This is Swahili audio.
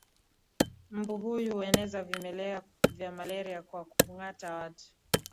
mbu huyu hueneza vimelea vya malaria kwa kungata watu